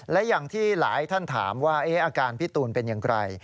และอย่างที่หลายท่านถามว่าอาการพี่ตูนเป็นอย่างไร